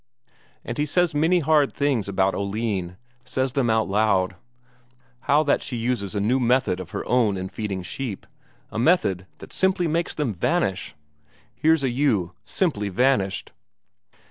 And he says many hard things about Oline says them out loud; how that she uses a new method of her own in feeding sheep, a method that simply makes them vanish here's a ewe simply vanished.